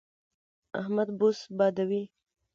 احمد بوس بادوي.